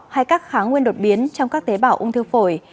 hay các kháng nguyên đột biến trong các tế bào ung thư phổi